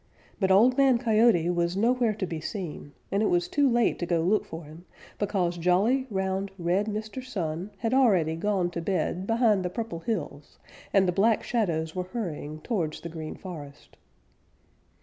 But Old Man Coyote was nowhere to be seen, and it was too late to go look for him, because jolly, round, red Mr. Sun had already gone to bed behind the Purple Hills and the Black Shadows were hurrying towards the Green Forest.